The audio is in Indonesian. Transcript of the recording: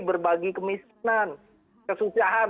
berbagi kemiskinan kesusahan